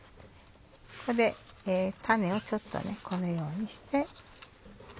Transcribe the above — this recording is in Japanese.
ここで種をちょっとこのようにして。